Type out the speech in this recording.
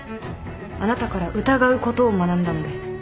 あなたから疑うことを学んだので。